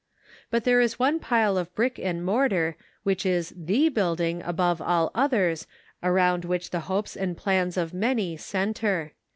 But there is one pile of brick and mortar which is the building above all others around which the 484 The Pocket Measure. hopes and plans of many center.